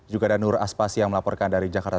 juga ada nur aspasi yang melaporkan dari jakarta